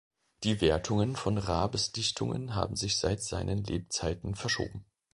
Die Wertungen von Raabes Dichtungen haben sich seit seinen Lebzeiten verschoben.